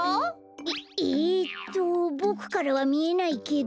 えっえとボクからはみえないけど。